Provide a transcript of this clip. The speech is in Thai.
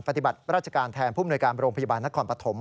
ภัทริบัติรัชการแทนภูมิหน่วยการโรงพยาบาลนครปฐม